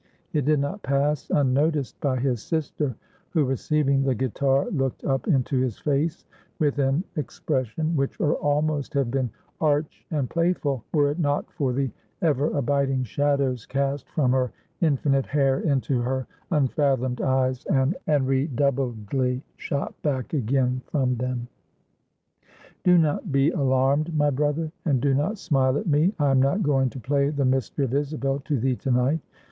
It did not pass unnoticed by his sister, who receiving the guitar, looked up into his face with an expression which would almost have been arch and playful, were it not for the ever abiding shadows cast from her infinite hair into her unfathomed eyes, and redoubledly shot back again from them. "Do not be alarmed, my brother; and do not smile at me; I am not going to play the Mystery of Isabel to thee to night.